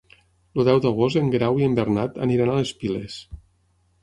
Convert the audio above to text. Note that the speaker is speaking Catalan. El deu d'agost en Guerau i en Bernat aniran a les Piles.